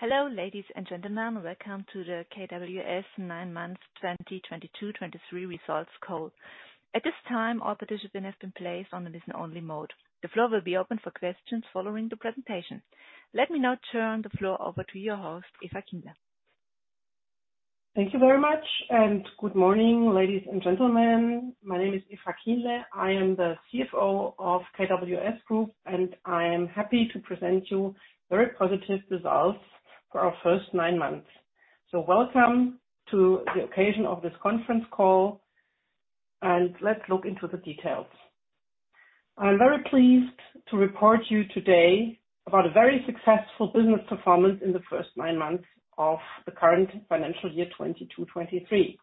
Hello, ladies and gentlemen. Welcome to the KWS nine months 2022/2023 results call. At this time, all participants have been placed on a listen-only mode. The floor will be open for questions following the presentation. Let me now turn the floor over to your host, Eva Kienle. Thank you very much. Good morning, ladies and gentlemen. My name is Eva Kienle. I am the CFO of KWS Group. I am happy to present you very positive results for our first nine months. Welcome to the occasion of this conference call. Let's look into the details. I'm very pleased to report to you today about a very successful business performance in the first nine months of the current financial year 2022/2023.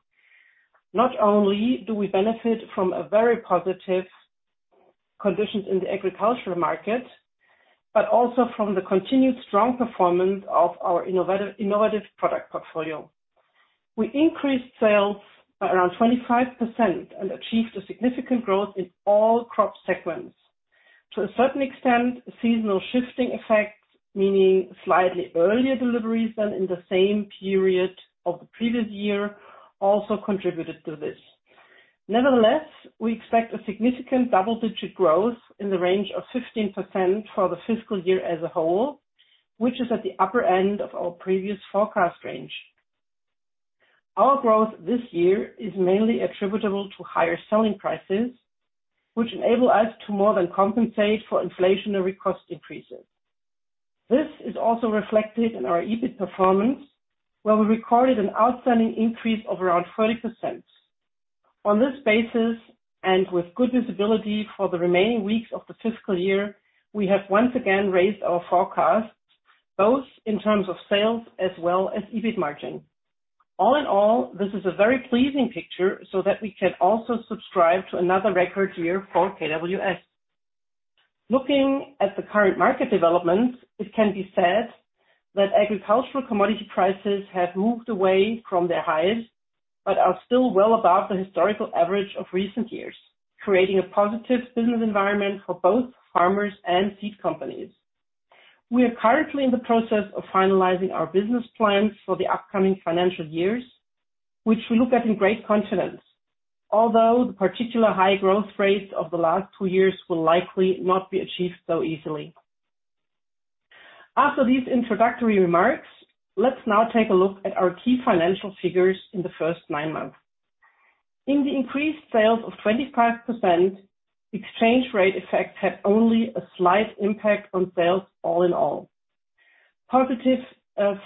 Not only do we benefit from a very positive conditions in the agricultural market, but also from the continued strong performance of our innovative product portfolio. We increased sales by around 25% and achieved a significant growth in all crop segments. To a certain extent, seasonal shifting effects, meaning slightly earlier deliveries than in the same period of the previous year, also contributed to this. Nevertheless, we expect a significant double-digit growth in the range of 15% for the fiscal year as a whole, which is at the upper end of our previous forecast range. Our growth this year is mainly attributable to higher selling prices, which enable us to more than compensate for inflationary cost increases. This is also reflected in our EBIT performance, where we recorded an outstanding increase of around 30%. With good visibility for the remaining weeks of the fiscal year, we have once again raised our forecasts, both in terms of sales as well as EBIT margin. All in all, this is a very pleasing picture so that we can also subscribe to another record year for KWS. Looking at the current market developments, it can be said that agricultural commodity prices have moved away from their highs, but are still well above the historical average of recent years, creating a positive business environment for both farmers and seed companies. We are currently in the process of finalizing our business plans for the upcoming financial years, which we look at in great confidence. Although the particular high growth rates of the last two years will likely not be achieved so easily. After these introductory remarks, let's now take a look at our key financial figures in the first nine months. In the increased sales of 25%, exchange rate effects had only a slight impact on sales all in all. Positive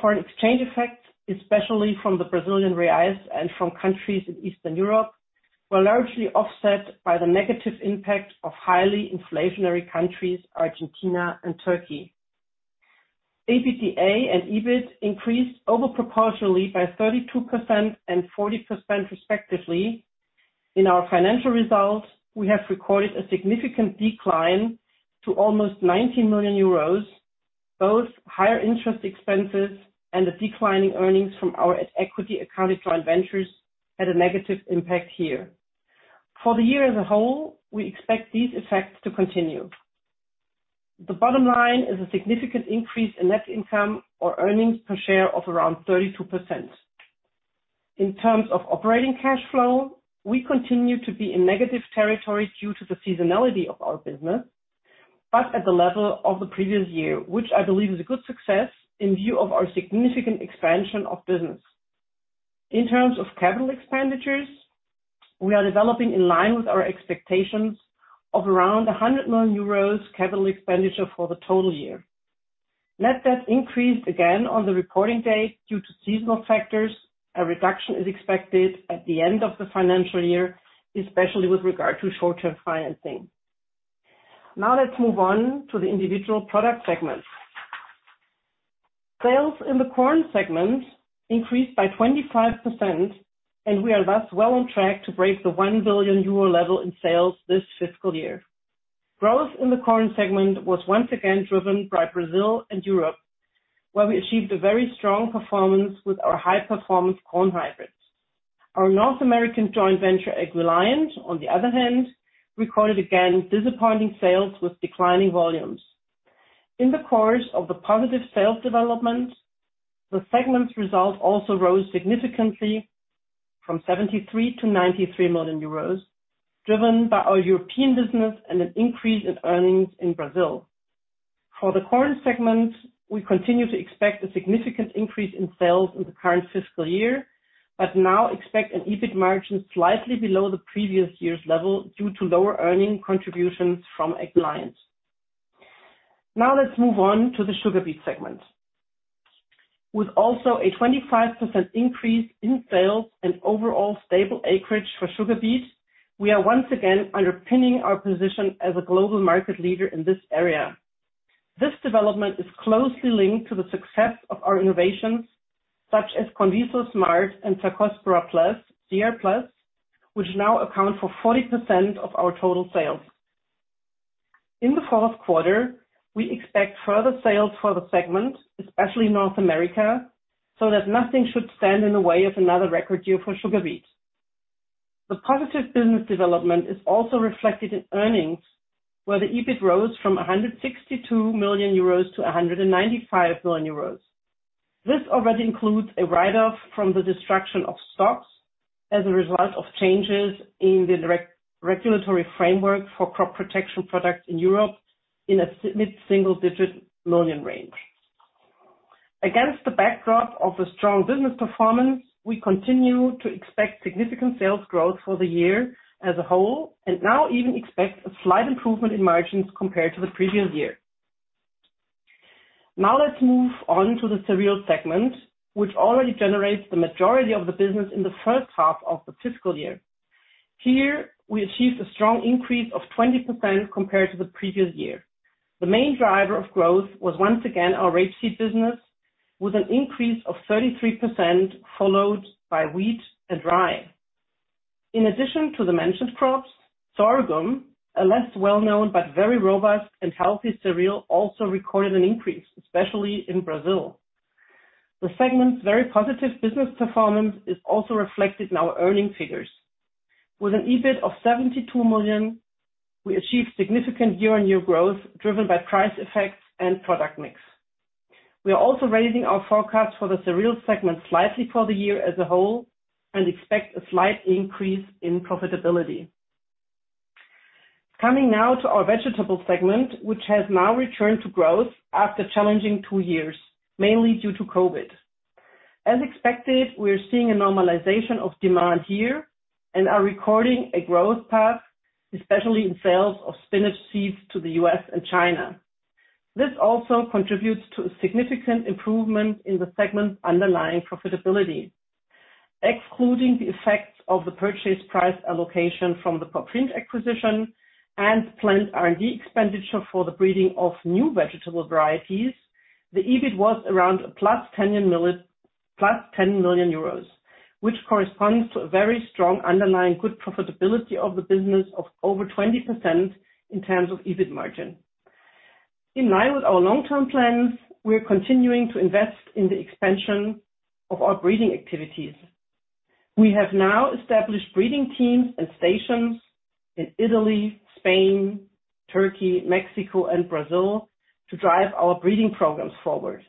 foreign exchange effects, especially from the Brazilian reals and from countries in Eastern Europe, were largely offset by the negative impact of highly inflationary countries, Argentina and Turkey. EBITA and EBIT increased overproportionally by 32% and 40% respectively. In our financial results, we have recorded a significant decline to almost 90 million euros, both higher interest expenses and a decline in earnings from our equity accounted joint ventures had a negative impact here. For the year as a whole, we expect these effects to continue. The bottom line is a significant increase in net income or earnings per share of around 32%. In terms of operating cash flow, we continue to be in negative territory due to the seasonality of our business, but at the level of the previous year, which I believe is a good success in view of our significant expansion of business. In terms of capital expenditures, we are developing in line with our expectations of around 100 million euros capital expenditure for the total year. Net debt increased again on the reporting date due to seasonal factors. A reduction is expected at the end of the financial year, especially with regard to short-term financing. Let's move on to the individual product segments. Sales in the corn segment increased by 25%, and we are thus well on track to break the 1 billion euro level in sales this fiscal year. Growth in the corn segment was once again driven by Brazil and Europe, where we achieved a very strong performance with our high-performance corn hybrids. Our North American joint venture, AgReliant, on the other hand, recorded again disappointing sales with declining volumes. In the course of the positive sales development, the segment's results also rose significantly from 73 million to 93 million euros, driven by our European business and an increase in earnings in Brazil. For the corn segment, we continue to expect a significant increase in sales in the current fiscal year, but now expect an EBIT margin slightly below the previous year's level due to lower earning contributions from AgReliant. Let's move on to the sugar beet segment. With also a 25% increase in sales and overall stable acreage for sugar beets, we are once again underpinning our position as a global market leader in this area. This development is closely linked to the success of our innovations, such as CONVISO SMART and Cercospora Plus, CR+, which now account for 40% of our total sales. In the fourth quarter, we expect further sales for the segment, especially in North America, that nothing should stand in the way of another record year for sugar beet. The positive business development is also reflected in earnings, where the EBIT rose from 162 million euros to 195 million euros. This already includes a write-off from the destruction of stocks as a result of changes in the direct regulatory framework for crop protection products in Europe in a mid-single-digit million range. Against the backdrop of a strong business performance, we continue to expect significant sales growth for the year as a whole, now even expect a slight improvement in margins compared to the previous year. Now let's move on to the cereals segment, which already generates the majority of the business in the first half of the fiscal year. Here we achieved a strong increase of 20% compared to the previous year. The main driver of growth was once again our rapeseed business, with an increase of 33%, followed by wheat and rye. In addition to the mentioned crops, sorghum, a less well-known but very robust and healthy cereal, also recorded an increase, especially in Brazil. The segment's very positive business performance is also reflected in our earning figures. With an EBIT of 72 million, we achieved significant year-on-year growth driven by price effects and product mix. We are also raising our forecast for the cereals segment slightly for the year as a whole and expect a slight increase in profitability. Coming now to our Vegetables segment, which has now returned to growth after challenging two years, mainly due to COVID. As expected, we are seeing a normalization of demand here and are recording a growth path, especially in sales of spinach seeds to the U.S. and China. This also contributes to a significant improvement in the segment's underlying profitability. Excluding the effects of the purchase price allocation from the Pop Vriend acquisition and plant R&D expenditure for the breeding of new vegetable varieties, the EBIT was around a plus 10 million euros, which corresponds to a very strong underlying good profitability of the business of over 20% in terms of EBIT margin. In line with our long-term plans, we are continuing to invest in the expansion of our breeding activities. We have now established breeding teams and stations in Italy, Spain, Turkey, Mexico, and Brazil to drive our breeding programs forward.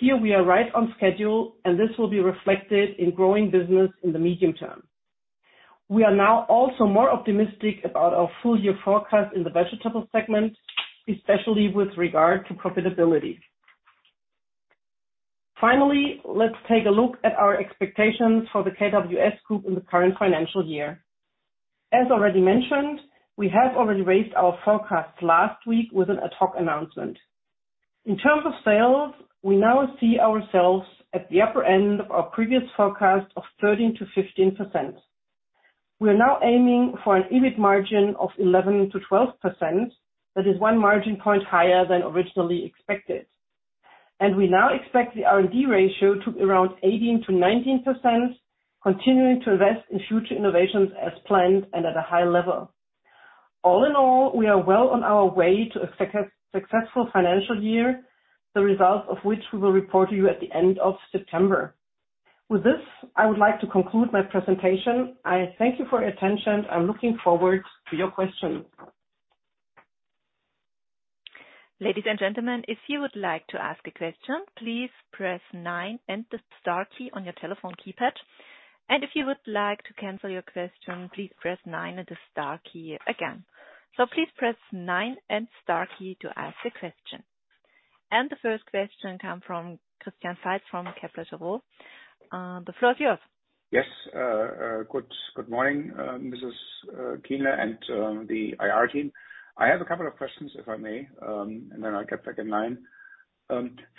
Here we are right on schedule, and this will be reflected in growing business in the medium term. We are now also more optimistic about our full-year forecast in the Vegetables segment, especially with regard to profitability. Finally, let's take a look at our expectations for the KWS Group in the current financial year. As already mentioned, we have already raised our forecast last week with an ad hoc announcement. In terms of sales, we now see ourselves at the upper end of our previous forecast of 13%-15%. We are now aiming for an EBIT margin of 11%-12%. That is one margin point higher than originally expected. We now expect the R&D ratio to around 18%-19%, continuing to invest in future innovations as planned and at a high level. All in all, we are well on our way to a successful financial year, the results of which we will report to you at the end of September. With this, I would like to conclude my presentation. I thank you for your attention. I'm looking forward to your questions. Ladies and gentlemen, if you would like to ask a question, please press nine and the star key on your telephone keypad. If you would like to cancel your question, please press nine and the star key again. Please press nine and star key to ask a question. The first question come from Christian Faitz from Kepler Cheuvreux. The floor is yours. Yes. Good morning, Mrs. Kinle and the IR team. I have a couple of questions, if I may. I get back in line.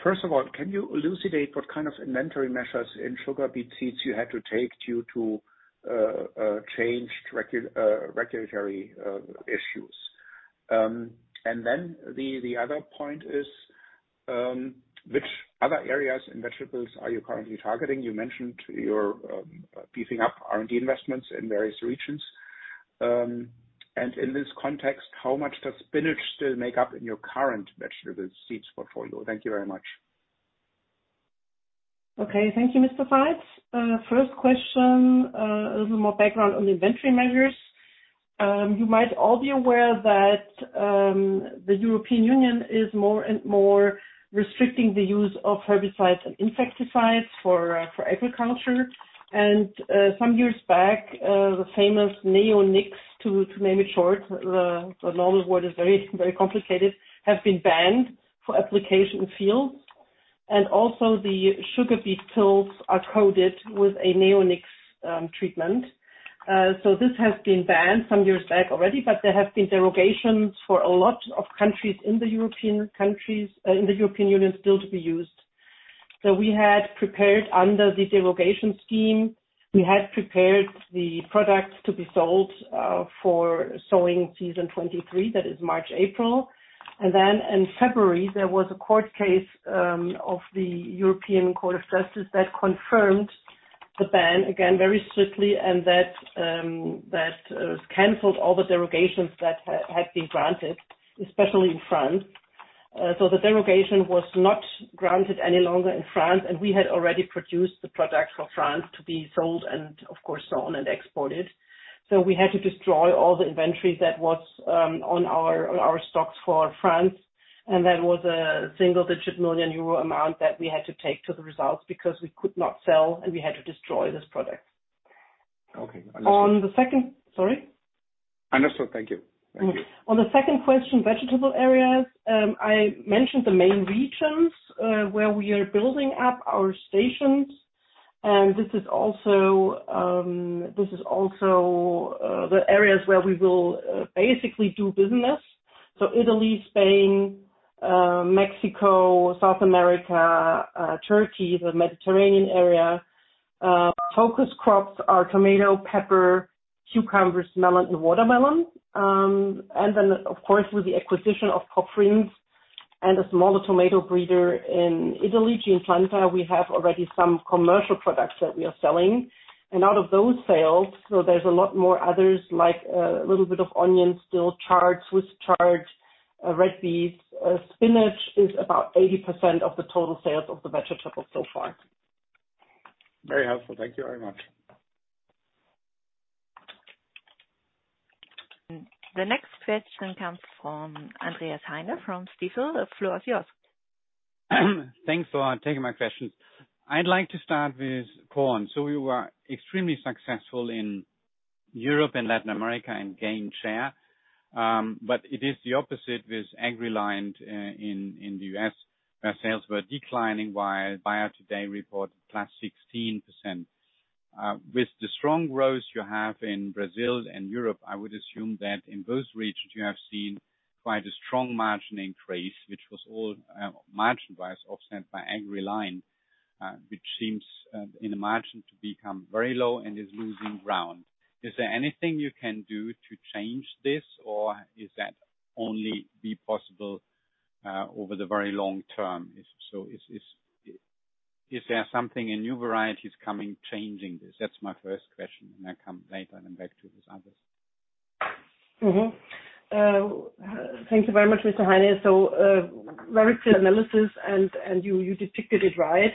First of all, can you elucidate what kind of inventory measures in sugar beet seeds you had to take due to changed regulatory issues? The other point is, which other areas in vegetables are you currently targeting? You mentioned you're beefing up R&D investments in various regions. In this context, how much does spinach still make up in your current vegetable seeds portfolio? Thank you very much. Okay. Thank you, Mr. Faitz. First question, a little more background on the inventory measures. You might all be aware that the European Union is more and more restricting the use of herbicides and insecticides for agriculture. Some years back, the famous neonics, to name it short, the normal word is very, very complicated, have been banned for application fields. Also the sugar beet tools are coded with a neonics treatment. This has been banned some years back already, but there have been derogations for a lot of countries in the European countries, in the European Union still to be used. We had prepared under the derogation scheme, we had prepared the products to be sold for sowing season 23, that is March, April. Then in February, there was a court case of the Court of Justice of the European Union that confirmed the ban, again, very strictly, and that canceled all the derogations that had been granted, especially in France. The derogation was not granted any longer in France, and we had already produced the product for France to be sold and of course sewn and exported. We had to destroy all the inventory that was on our stocks for France. That was a single-digit million euro amount that we had to take to the results, because we could not sell and we had to destroy this product. Okay. Understood. On the second... Sorry? Understood. Thank you. Thank you. On the second question, vegetable areas. I mentioned the main regions where we are building up our stations. This is also the areas where we will basically do business. Italy, Spain, Mexico, South America, Turkey, the Mediterranean area. Focus crops are tomato, pepper, cucumbers, melon and watermelon. Of course, with the acquisition of Koppert Cress and a smaller tomato breeder in Italy, Geneplanta S.r.l., we have already some commercial products that we are selling. Out of those sales, so there's a lot more others like, a little bit of onions, still chards, Swiss chard, red beets, spinach is about 80% of the total sales of the vegetable so far. Very helpful. Thank you very much. The next question comes from Andreas Heine from Stifel. The floor is yours. Thanks for taking my questions. I'd like to start with corn. You are extremely successful in Europe and Latin America in gain share. It is the opposite with AgReliant Genetics in the US, where sales were declining while Bayer today reported +16%. With the strong growth you have in Brazil and Europe, I would assume that in both regions you have seen quite a strong margin increase, which was all margin-wise, offset by AgReliant Genetics, which seems in the margin to become very low and is losing ground. Is there anything you can do to change this or is that only be possible over the very long term? Is there something, a new variety is coming changing this? That's my first question. I come later and then back to this others. Thanks very much, Mr. Heine. Very clear analysis and you depicted it right.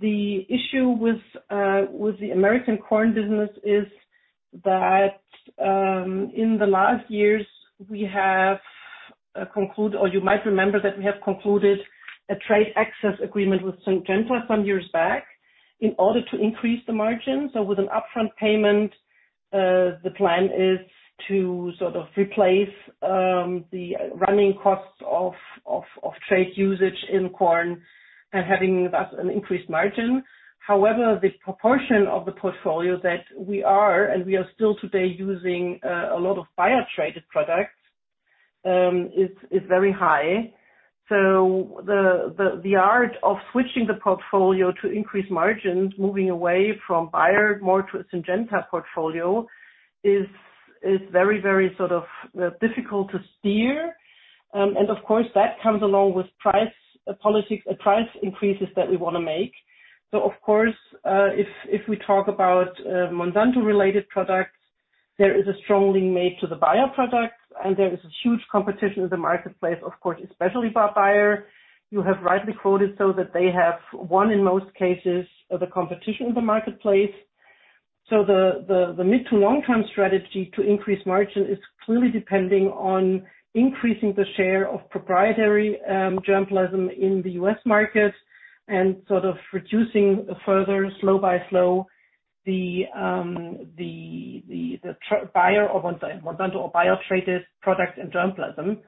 The issue with the American corn business is that in the last years, we have Or you might remember that we have concluded a trait access agreement with Syngenta some years back in order to increase the margin. With an upfront payment, the plan is to sort of replace the running costs of trade usage in corn and having thus an increased margin. However, the proportion of the portfolio that we are, and we are still today using, a lot of Bayer-traded products, is very high. The art of switching the portfolio to increase margins, moving away from Bayer more to a Syngenta portfolio is very, very sort of difficult to steer. Of course that comes along with price policy, price increases that we want to make. Of course, if we talk about Monsanto related products, there is a strong link made to the Bayer products, and there is a huge competition in the marketplace, of course, especially by Bayer. You have rightly quoted so that they have won in most cases of the competition in the marketplace. The mid to long-term strategy to increase margin is clearly depending on increasing the share of proprietary germplasm in the U.S. market and sort of reducing further slow by slow the Bayer of Monsanto or Bayer-traded products and germplasm.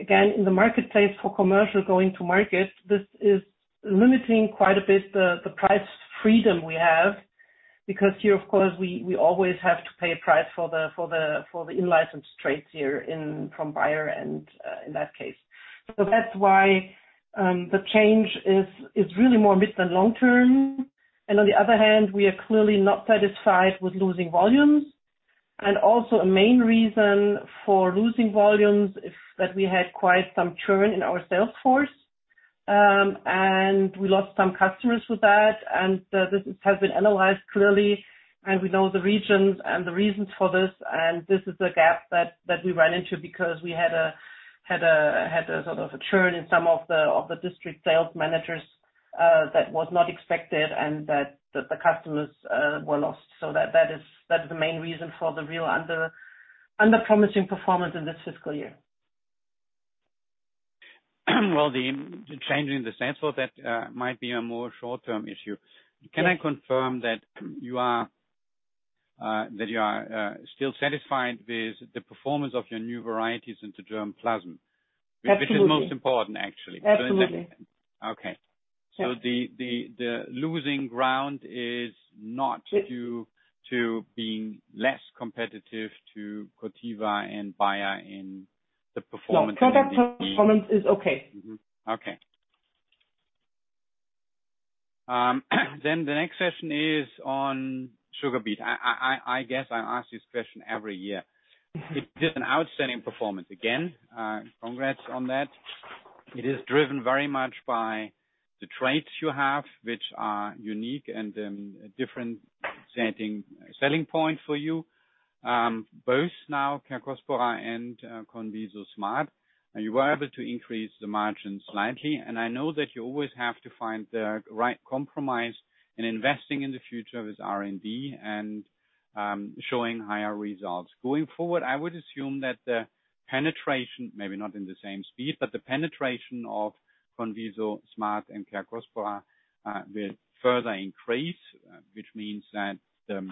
Again, in the marketplace for commercial going to market, this is limiting quite a bit the price freedom we have, because here of course, we always have to pay a price for the in-licensed traits here in, from Bayer and in that case. That's why the change is really more mid than long-term. On the other hand, we are clearly not satisfied with losing volumes. Also a main reason for losing volumes is that we had quite some churn in our sales force, and we lost some customers with that. This has been analyzed clearly, and we know the regions and the reasons for this, and this is a gap that we ran into because we had a sort of a churn in some of the district sales managers that was not expected and that the customers were lost. That is the main reason for the real under-promising performance in this fiscal year. The change in the sales force, that, might be a more short-term issue. Can I confirm that you are still satisfied with the performance of your new varieties into germplasm? Absolutely. Which is most important, actually. Absolutely. Okay. Sure. The losing ground is not Yes. due to being less competitive to Corteva and Bayer in the performance No. in the Product performance is okay. Okay. The next question is on sugar beet. I guess I ask this question every year. Mm-hmm. It's just an outstanding performance again. Congrats on that. It is driven very much by the traits you have, which are unique and a different setting, selling point for you. Both now, Clearfield and CONVISO SMART, you were able to increase the margins slightly. I know that you always have to find the right compromise in investing in the future with R&D and showing higher results. Going forward, I would assume that the penetration, maybe not in the same speed, but the penetration of CONVISO SMART and Clearfield will further increase, which means that the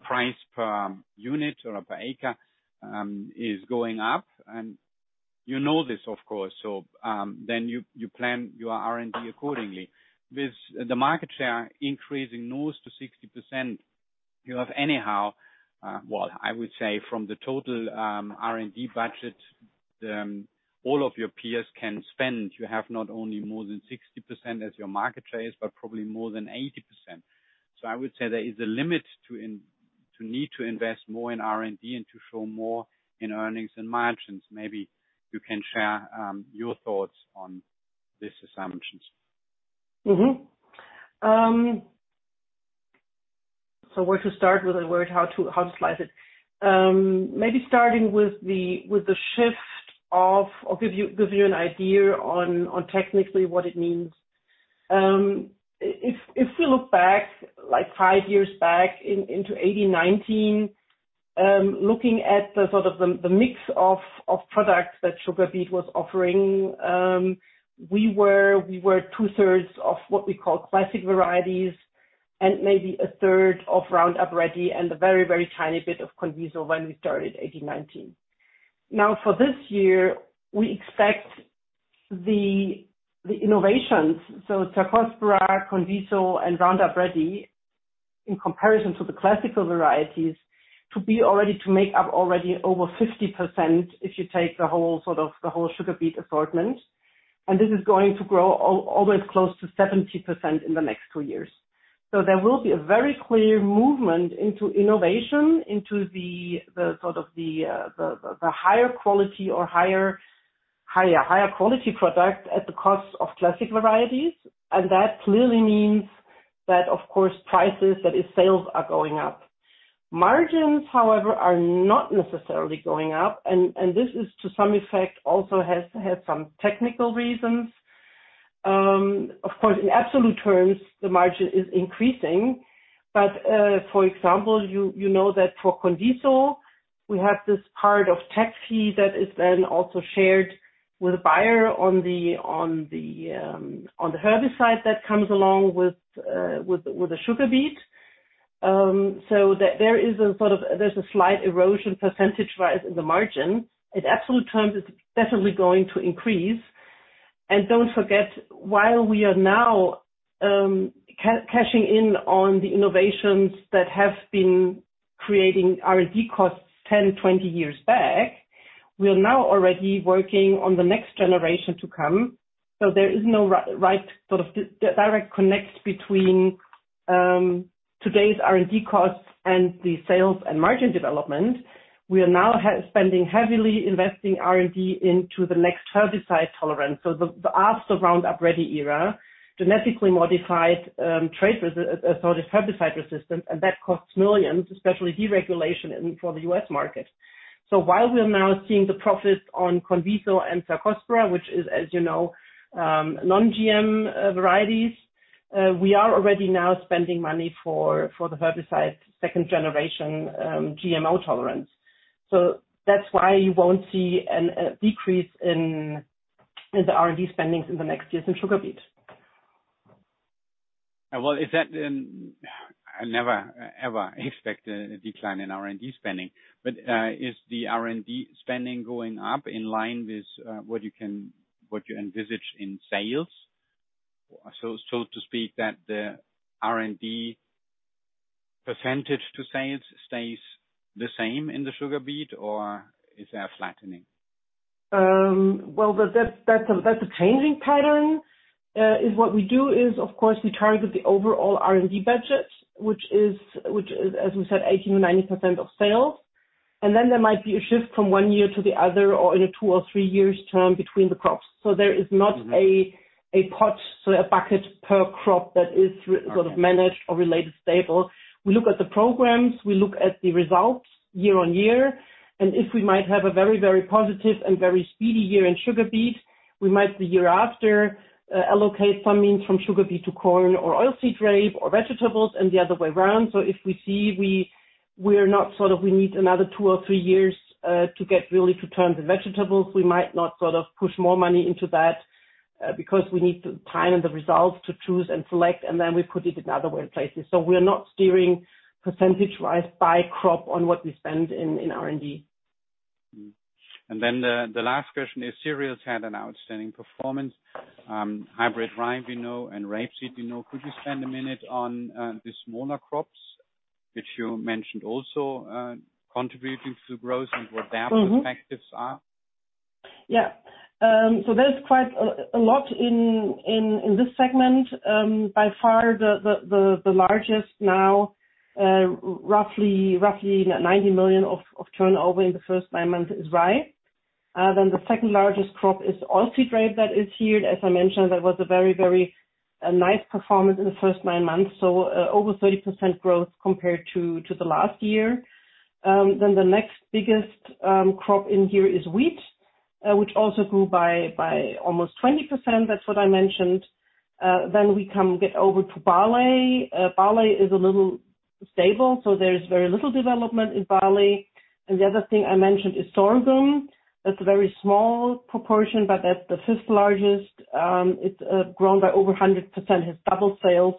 price per unit or per acre is going up. You know this, of course, so then you plan your R&D accordingly. With the market share increasing close to 60%, you have anyhow, well, I would say from the total R&D budget, all of your peers can spend, you have not only more than 60% as your market share, but probably more than 80%. I would say there is a limit to need to invest more in R&D and to show more in earnings and margins. Maybe you can share your thoughts on these assumptions. Where to start with, or where to, how to slice it? Maybe starting with the shift of, I'll give you an idea on technically what it means. If we look back, like five years back into eighteen nineteen, looking at the sort of the mix of products that sugar beet was offering, we were two-thirds of what we call classic varieties and maybe a third of Roundup Ready and a very, very tiny bit of CONVISO when we started eighteen nineteen. For this year, we expect the innovations, so Clearfield, CONVISO and Roundup Ready, in comparison to the classical varieties, to be all ready to make up already over 50% if you take the whole sugar beet assortment. This is going to grow almost close to 70% in the next two years. There will be a very clear movement into innovation, into the sort of the higher quality or higher quality product at the cost of classic varieties. That clearly means that, of course, prices, that is sales, are going up. Margins, however, are not necessarily going up, and this is to some effect also has some technical reasons. Of course, in absolute terms, the margin is increasing. For example, you know that for CONVISO, we have this part of tech fee that is then also shared with Bayer on the herbicide that comes along with the sugar beet. So there is a sort of, there's a slight erosion percentage rise in the margin. In absolute terms, it's definitely going to increase. Don't forget, while we are now cashing in on the innovations that have been creating R&D costs 10, 20 years back, we are now already working on the next generation to come. There is no right sort of direct connect between today's R&D costs and the sales and margin development. We are now spending heavily investing R&D into the next herbicide tolerance. The after Roundup Ready era, genetically modified, trait sort of herbicide resistance, and that costs millions, especially deregulation in, for the U.S. market. While we are now seeing the profits on CONVISO and Clearfield, which is, as you know, non-GM varieties, we are already now spending money for the herbicide second generation GMO tolerance. That's why you won't see an decrease in the R&D spendings in the next years in sugar beet. I never, ever expect a decline in R&D spending. Is the R&D spending going up in line with what you can, what you envisage in sales? so to speak, that the R&D percentage to sales stays the same in the sugar beet or is there a flattening? Well, that's a changing pattern. Is what we do is, of course, we target the overall R&D budget, which is, as we said, 18%-90% of sales. There might be a shift from one year to the other or in a two or three years term between the crops. There is not- Mm-hmm. A pot, so a bucket per crop that is sort of managed or related stable. We look at the programs, we look at the results year on year. If we might have a very, very positive and very speedy year in sugar beet, we might the year after allocate some means from sugar beet to corn or oilseed rape or vegetables and the other way around. If we see we're not sort of, we need another two or three years to get really to turn the vegetables, we might not sort of push more money into that, because we need the time and the results to choose and select, and then we put it in other places. We're not steering percentage-wise by crop on what we spend in R&D. The last question is cereals had an outstanding performance. Hybrid rye, we know, and rapeseed, we know. Could you spend a minute on the smaller crops, which you mentioned also, contributing to growth? Mm-hmm. perspectives are? There's quite a lot in this segment. By far the largest, roughly 90 million of turnover in the first nine months, is rye. The second largest crop is oilseed rape that is here. As I mentioned, that was a very nice performance in the first nine months, over 30% growth compared to the last year. The next biggest crop in here is wheat, which also grew by almost 20%. That's what I mentioned. We get over to barley. Barley is a little stable, so there's very little development in barley. The other thing I mentioned is sorghum. That's a very small proportion, but that's the fifth largest. It's grown by over 100%, has doubled sales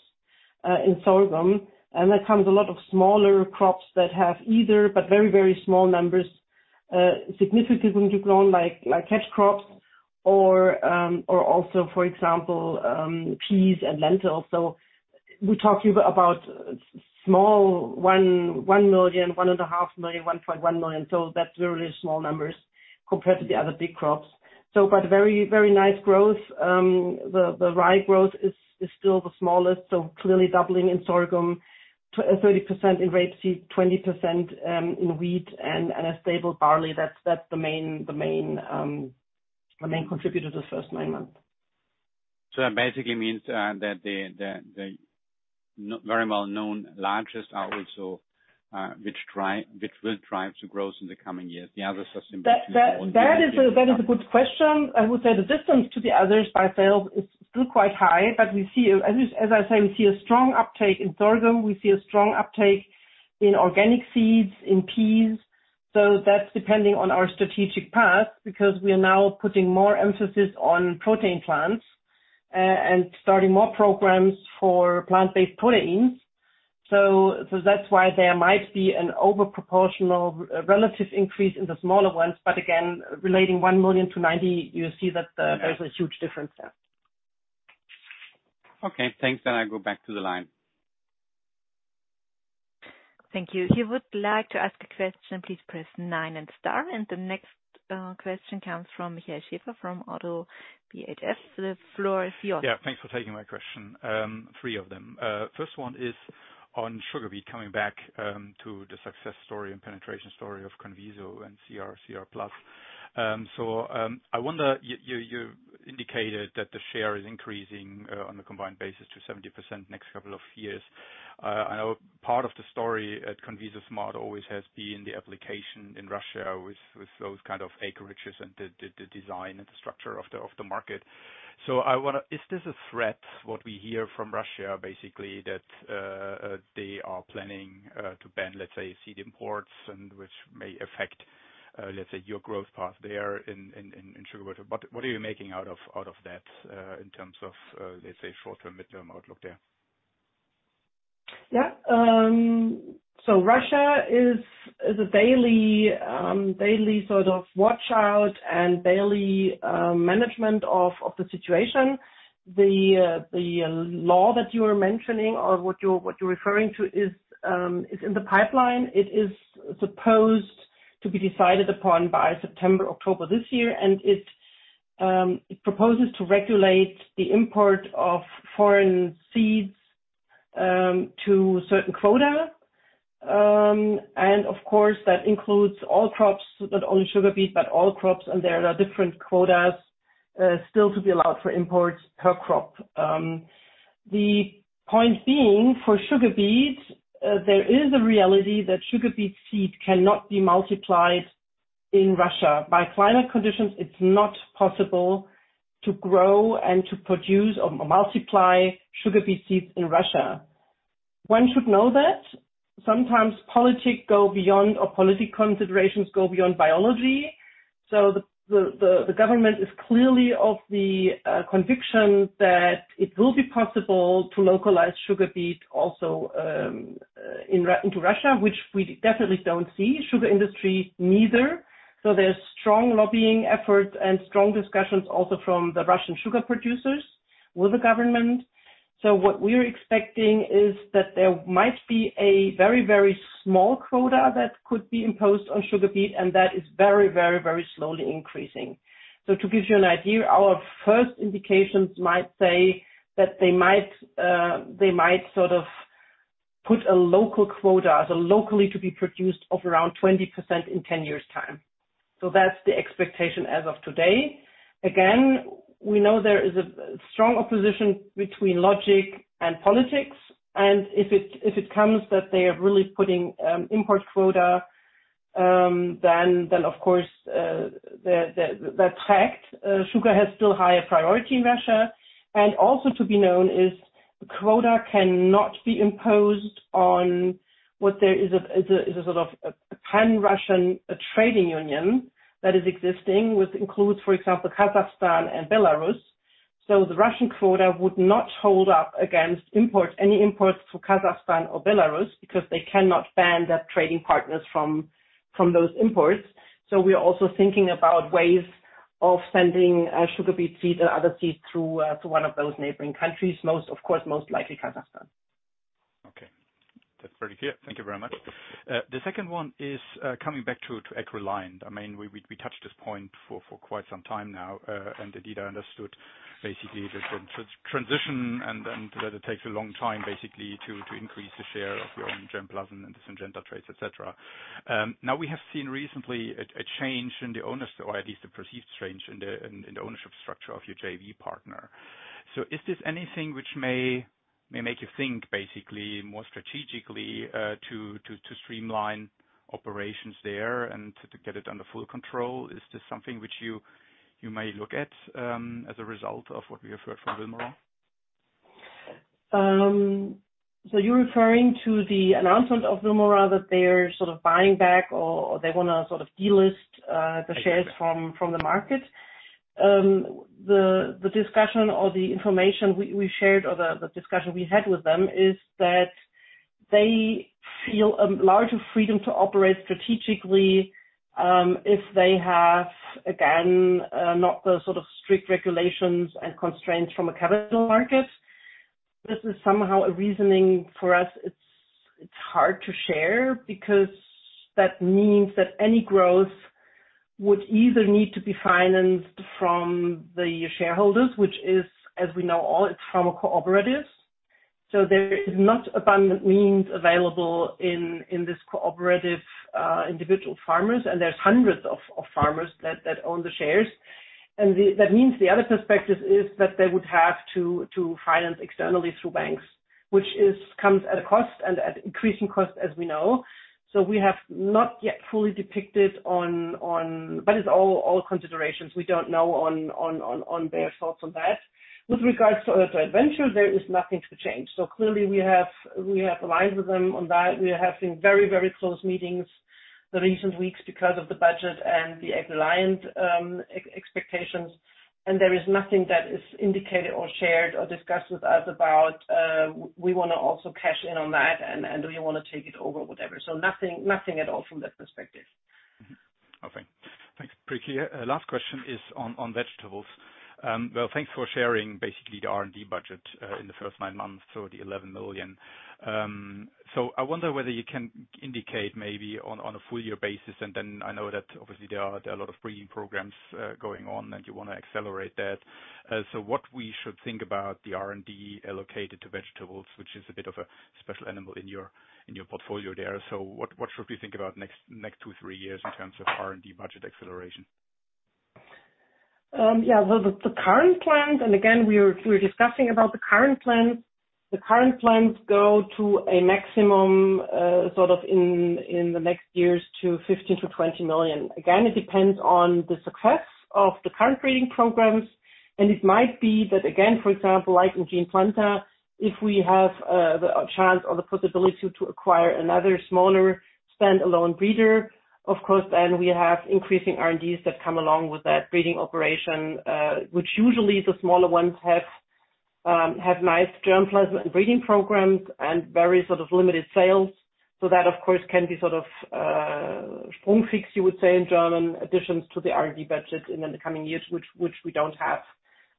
in sorghum. There comes a lot of smaller crops that have either, but very small numbers, significantly grown, like catch crops or also for example, peas and lentils. We talk here about small one, 1 million, 1.5 million, 1.1 million. That's really small numbers compared to the other big crops. Very nice growth. The rye growth is still the smallest, so clearly doubling in sorghum, 30% in rapeseed, 20% in wheat and a stable barley. That's the main contributor to the first nine months. That basically means that the very well-known largest are also which drive, which will drive the growth in the coming years. The others are simply. That is a good question. I would say the distance to the others by sales is still quite high. We see, at least as I say, we see a strong uptake in sorghum. We see a strong uptake in organic seeds, in peas. That's depending on our strategic path, because we are now putting more emphasis on protein plants and starting more programs for plant-based proteins. That's why there might be an over proportional relative increase in the smaller ones. Again, relating 1 million to 90, you see that there's a huge difference there. Okay, thanks. I go back to the line. Thank you. If you would like to ask a question, please press nine and star. The next question comes from Michael Schaefer from ODDO BHF. The floor is yours. Thanks for taking my question. Three of them. First one is on sugar beet, coming back to the success story and penetration story of CONVISO and CR/CR+. I wonder, you indicated that the share is increasing on a combined basis to 70% next couple of years. I know part of the story at CONVISO SMART always has been the application in Russia with those kind of acreages and the design and the structure of the market. Is this a threat, what we hear from Russia, basically, that they are planning to ban, let's say, seed imports and which may affect, let's say, your growth path there in sugar beet? What are you making out of that, in terms of, let's say, short-term, mid-term outlook there? Yeah. Russia is a daily sort of watch out and daily management of the situation. The law that you are mentioning or what you're referring to is in the pipeline. It is supposed to be decided upon by September, October this year, it proposes to regulate the import of foreign seeds to certain quota. Of course that includes all crops, not only sugar beet, but all crops. There are different quotas still to be allowed for imports per crop. The point being, for sugar beet, there is a reality that sugar beet seed cannot be multiplied in Russia. By climate conditions, it's not possible to grow and to produce or multiply sugar beet seeds in Russia. One should know that sometimes politics go beyond, or politics considerations go beyond biology. The government is clearly of the conviction that it will be possible to localize sugar beet also into Russia, which we definitely don't see. Sugar industry neither. There's strong lobbying efforts and strong discussions also from the Russian sugar producers with the government. What we're expecting is that there might be a very, very small quota that could be imposed on sugar beet and that is very, very, very slowly increasing. To give you an idea, our first indications might say that they might sort of put a local quota, so locally to be produced of around 20% in 10 years time. That's the expectation as of today. Again, we know there is a strong opposition between logic and politics, and if it, if it comes that they are really putting import quota, then of course, the track sugar has still higher priority in Russia. Also to be known is the quota cannot be imposed on what there is a sort of a Eurasian Economic Union that is existing, which includes, for example, Kazakhstan and Belarus. The Russian quota would not hold up against imports, any imports to Kazakhstan or Belarus because they cannot ban their trading partners from those imports. We are also thinking about ways of sending sugar beet seed or other seeds through to one of those neighboring countries, most of course, most likely Kazakhstan. That's very clear. Thank you very much. The second one is coming back to AgReliant. I mean, we touched this point for quite some time now, and indeed I understood basically the transition and that it takes a long time basically to increase the share of your own germplasm and the Syngenta trades, et cetera. Now we have seen recently a change in the owners, or at least a perceived change in the ownership structure of your JV partner. Is this anything which may make you think basically more strategically to streamline operations there and to get it under full control? Is this something which you may look at as a result of what we have heard from Vilmorin & Cie? You're referring to the announcement of Vilmorin & Cie that they're sort of buying back, or they wanna sort of de-list the shares from the market? The discussion or the information we shared, or the discussion we had with them is that they feel a larger freedom to operate strategically, if they have, again, not the sort of strict regulations and constraints from a capital market. This is somehow a reasoning for us it's hard to share because that means that any growth would either need to be financed from the shareholders, which is, as we know, all it's farmer cooperatives. There is not abundant means available in this cooperative, individual farmers, and there's hundreds of farmers that own the shares. That means the other perspective is that they would have to finance externally through banks, which comes at a cost and at increasing cost, as we know. We have not yet fully depicted on. It's all considerations. We don't know on their thoughts on that. With regards to Adventure, there is nothing to change. Clearly we have aligned with them on that. We are having very close meetings the recent weeks because of the budget and the AgReliant expectations. There is nothing that is indicated or shared or discussed with us about we wanna also cash in on that and we wanna take it over, whatever. Nothing at all from that perspective. Okay. Thanks. Pretty clear. Last question is on vegetables. Well, thanks for sharing basically the R&D budget in the first nine months, so the 11 million. I wonder whether you can indicate maybe on a full year basis, and I know that obviously there are a lot of breeding programs going on and you wanna accelerate that. What we should think about the R&D allocated to vegetables, which is a bit of a special animal in your portfolio there. What should we think about next two, three years in terms of R&D budget acceleration? Yeah. Well, the current plans, again, we're discussing about the current plans. The current plans go to a maximum, sort of in the next years to 15 million-20 million. Again, it depends on the success of the current breeding programs. It might be that again, for example, like in Geneplanta, if we have the chance or the possibility to acquire another smaller standalone breeder, of course, then we have increasing R&Ds that come along with that breeding operation, which usually the smaller ones have nice germplasm and breeding programs and very sort of limited sales. That, of course, can be sort of step-fixed costs, you would say in German, additions to the R&D budget in the coming years, which we don't have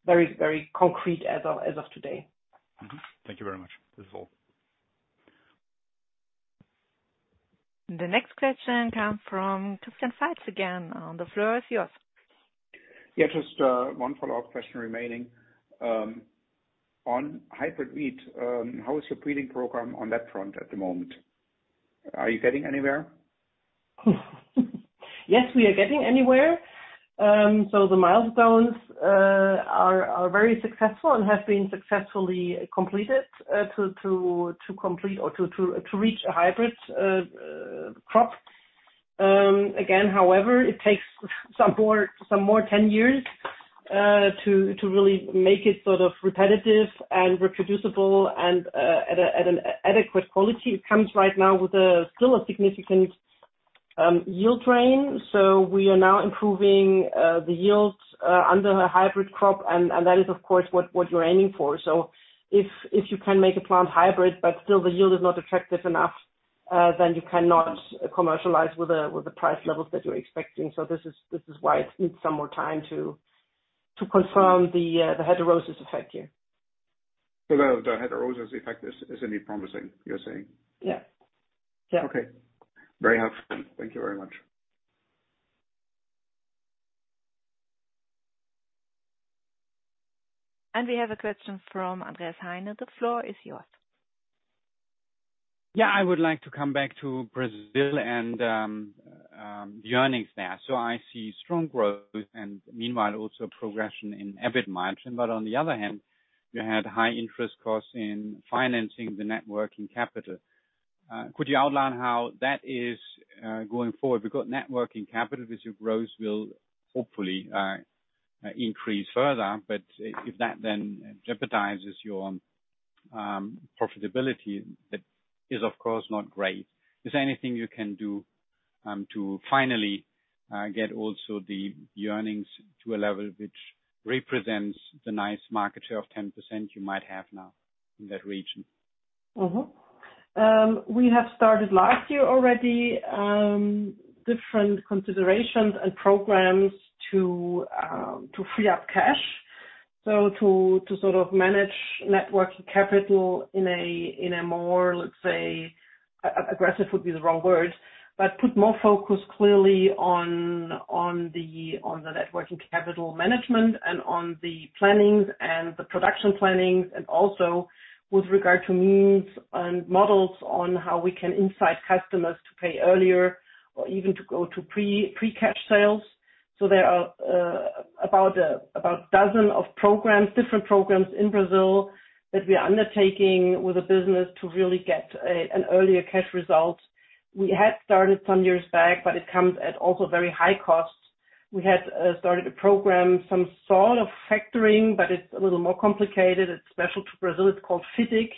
very concrete as of today. Thank you very much. This is all. The next question come from Christian Faitz again. The floor is yours. Yeah, just, one follow-up question remaining. On hybrid wheat, how is your breeding program on that front at the moment? Are you getting anywhere? Yes, we are getting anywhere. The milestones are very successful and have been successfully completed to complete or to reach a hybrid crop. Again, however, it takes some more 10 years to really make it sort of repetitive and reproducible and at an adequate quality. It comes right now with a still a significant yield range. We are now improving the yields under a hybrid crop. That is, of course, what you're aiming for. If, if you can make a plant hybrid, but still the yield is not attractive enough, then you cannot commercialize with the price levels that you're expecting. This is why it needs some more time to confirm the heterosis effect here. now the heterosis effect is indeed promising, you're saying? Yeah. Yeah. Okay. Very helpful. Thank you very much. We have a question from Andreas Heine. The floor is yours. I would like to come back to Brazil and the earnings there. I see strong growth and meanwhile also progression in EBITDA. On the other hand, you had high interest costs in financing the net working capital. Could you outline how that is going forward? Net working capital as you grow will hopefully increase further. If that then jeopardizes your profitability, that is, of course, not great. Is there anything you can do to finally get also the earnings to a level which represents the nice market share of 10% you might have now in that region? We have started last year already, different considerations and programs to free up cash. To sort of manage network capital in a more, let's say, aggressive would be the wrong word, but put more focus clearly on the networking capital management and on the plannings and the production plannings, and also with regard to means and models on how we can insight customers to pay earlier or even to go to pre-cash sales. There are about 12 programs, different programs in Brazil that we are undertaking with the business to really get an earlier cash result. We had started some years back. It comes at also very high costs. We had started a program, some sort of factoring. It's a little more complicated. It's special to Brazil. It's called FISIC.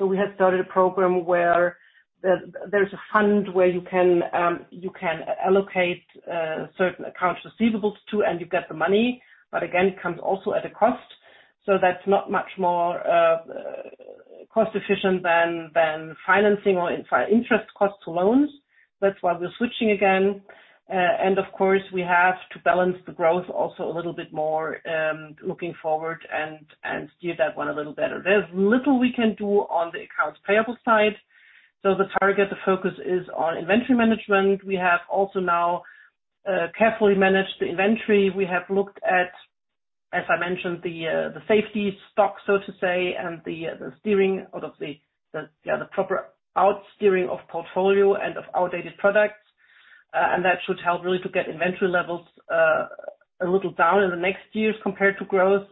We had started a program where there's a fund where you can allocate certain accounts receivables to, and you get the money. Again, it comes also at a cost. That's not much more cost-efficient than financing or interest costs to loans. That's why we're switching again. And of course, we have to balance the growth also a little bit more looking forward and steer that one a little better. There's little we can do on the accounts payable side. The target, the focus is on inventory management. We have also now carefully managed the inventory. We have looked at, as I mentioned, the safety stock, so to say, and the steering out of the proper out steering of portfolio and of outdated products. That should help really to get inventory levels a little down in the next years compared to growth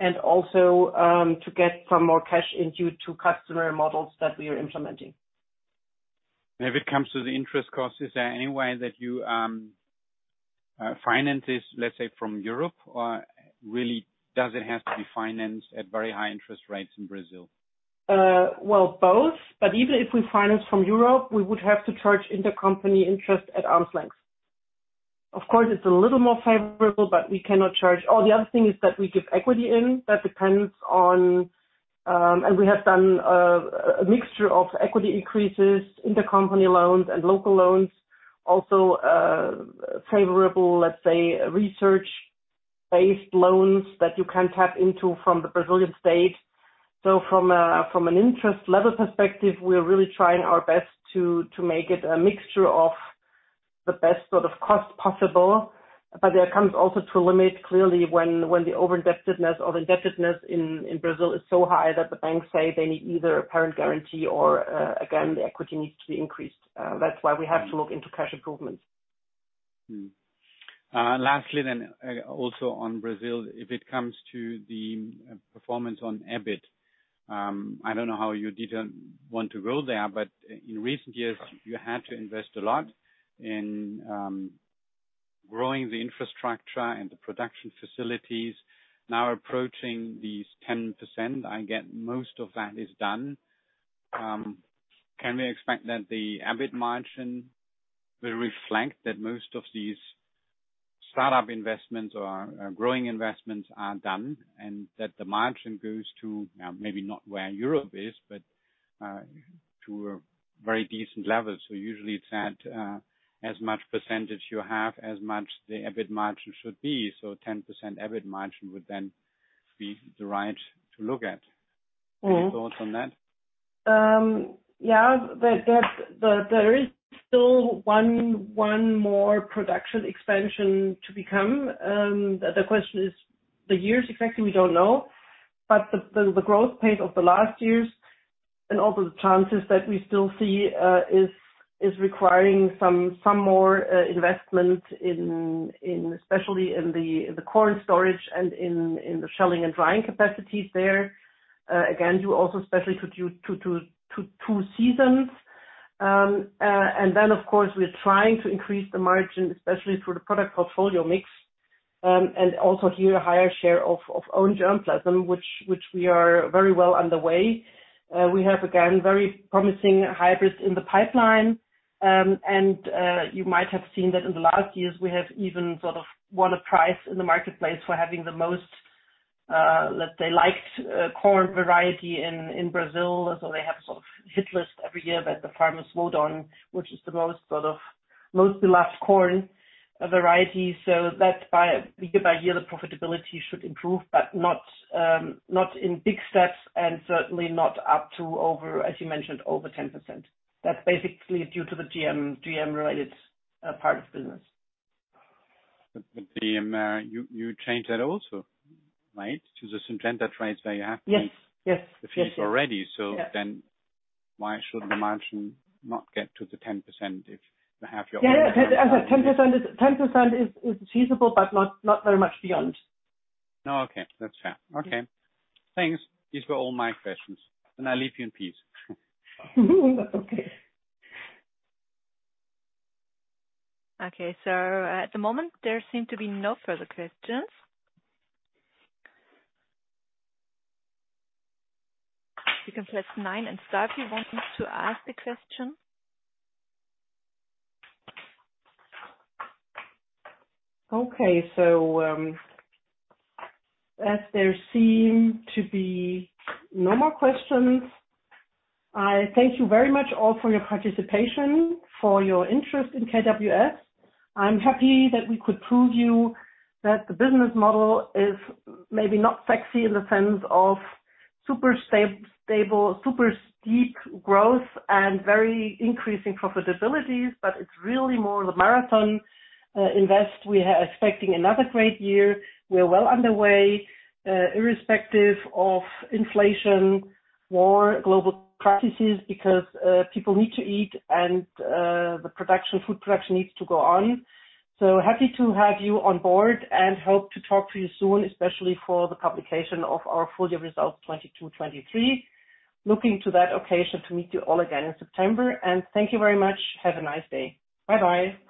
and also to get some more cash in due to customer models that we are implementing. If it comes to the interest cost, is there any way that you finance this, let's say, from Europe? Or really does it have to be financed at very high interest rates in Brazil? Well, both. Even if we finance from Europe, we would have to charge intercompany interest at arm's length. Of course, it's a little more favorable, but we cannot charge. The other thing is that we give equity in. That depends on. We have done a mixture of equity increases, intercompany loans, and local loans, also, favorable, let's say, research-based loans that you can tap into from the Brazilian state. From an interest level perspective, we are really trying our best to make it a mixture of the best sort of cost possible. There comes also to a limit, clearly, when the over-indebtedness or indebtedness in Brazil is so high that the banks say they need either a parent guarantee or, again, the equity needs to be increased. That's why we have to look into cash improvements. Lastly, also on Brazil, if it comes to the performance on EBIT, I don't know how you didn't want to go there, but in recent years, you had to invest a lot in growing the infrastructure and the production facilities. Approaching these 10%, I get most of that is done. Can we expect that the EBIT margin will reflect that most of these startup investments or growing investments are done and that the margin goes to maybe not where Europe is, but to a very decent level? Usually it's at as much percentage you have, as much the EBIT margin should be. 10% EBIT margin would then be the right to look at. Mm-hmm. Any thoughts on that? Yeah, but that, there is still one more production expansion to become. The question is the years exactly, we don't know. The growth pace of the last years and also the chances that we still see is requiring some more investment in, especially in the corn storage and in the shelling and drying capacities there. Again, due also especially to two seasons. Then, of course, we're trying to increase the margin, especially through the product portfolio mix, and also here, a higher share of own germplasm, which we are very well underway. We have, again, very promising hybrids in the pipeline. You might have seen that in the last years, we have even sort of won a prize in the marketplace for having the most, let's say, liked, corn variety in Brazil. They have a sort of hit list every year that the farmers vote on, which is the most, sort of, most beloved corn variety. That by, year by year, the profitability should improve, but not in big steps and certainly not up to over, as you mentioned, over 10%. That's basically due to the GM-related part of the business. You changed that also, right? To the Syngenta traits where you have... Yes, yes. the fees already. Yeah. Why should the margin not get to the 10% if you have? Yeah, yeah. 10% is achievable, but not very much beyond. Oh, okay. That's fair. Okay. Thanks. These were all my questions, and I leave you in peace. Okay. At the moment, there seem to be no further questions. You can press nine and star if you want to ask a question. As there seem to be no more questions, I thank you very much all for your participation, for your interest in KWS. I'm happy that we could prove you that the business model is maybe not sexy in the sense of super stable, super steep growth and very increasing profitability, but it's really more of a marathon invest. We are expecting another great year. We're well underway, irrespective of inflation, war, global crises, because people need to eat and the production, food production needs to go on. Happy to have you on board and hope to talk to you soon, especially for the publication of our full year results, 2022, 2023. Looking to that occasion to meet you all again in September. Thank you very much. Have a nice day. Bye-bye.